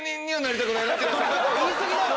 言い過ぎだろ！